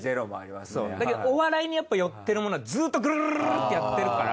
だけどお笑いにやっぱ寄ってるものはずっとグルグルってやってるから。